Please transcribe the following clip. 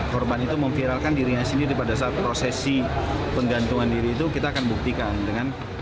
korban itu memviralkan dirinya sendiri pada saat prosesi penggantungan diri itu kita akan buktikan dengan